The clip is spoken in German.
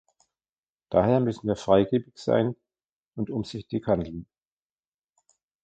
Daher müssen wir freigebig sein und umsichtig handeln.